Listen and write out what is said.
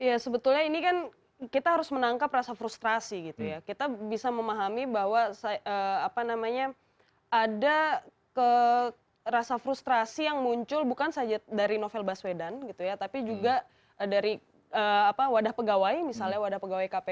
ya sebetulnya ini kan kita harus menangkap rasa frustrasi gitu ya kita bisa memahami bahwa apa namanya ada rasa frustrasi yang muncul bukan saja dari novel baswedan gitu ya tapi juga dari wadah pegawai misalnya wadah pegawai kpk